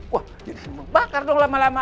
wah jadi bakar dong lama lama